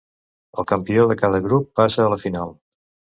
El campió de cada grup passà a la final.